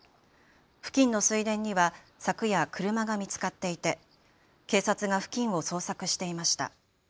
付近の水田には昨夜、車が見つかっていて警察が付近を捜索していました。